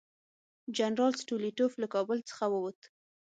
جنرال سټولیټوف له کابل څخه ووت.